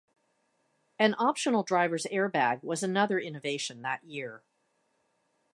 An optional driver's airbag was another innovation that year.